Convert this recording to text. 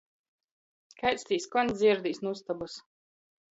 Kaids tī skons dzierdīs nu ustobys?